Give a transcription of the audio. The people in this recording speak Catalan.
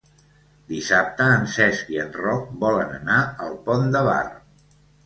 Dissabte en Cesc i en Roc volen anar al Pont de Bar.